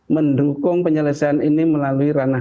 mendukung penyelesaian ini melalui ranah